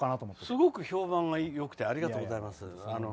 すごく評判がよくてありがとうございました。